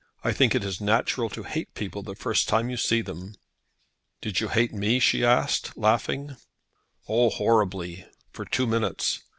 I think it is natural to hate people the first time you see them." "Did you hate me?" she asked, laughing. "Oh, horribly, for two minutes.